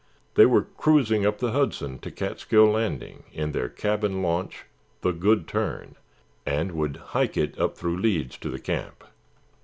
They were cruising up the Hudson to Catskill Landing in their cabin launch, the Good Turn, and would hike it up through Leeds to camp.